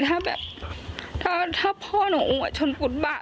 ถ้าแบบถ้าพ่อหนูอว่าชนปุ๊ดบ้า